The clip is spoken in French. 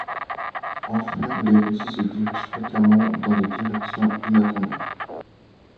Enfin, le récit se dirige fréquemment dans des directions inattendues.